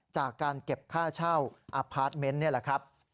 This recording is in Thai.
จากการเก็บค่าเช่าอพาร์ทเมนต์นี่แหละครับ